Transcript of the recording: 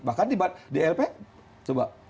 bahkan di lp coba